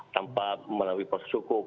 tanpa melalui proses hukum